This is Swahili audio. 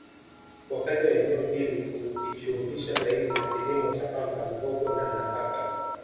Wakazi wa eneo hili hujishughulisha zaidi na kilimo cha pamba mihogo na nafaka